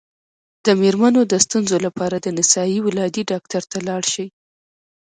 د میرمنو د ستونزو لپاره د نسایي ولادي ډاکټر ته لاړ شئ